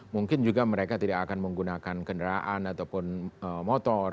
mungkin juga mereka tidak akan menggunakan kendaraan ataupun motor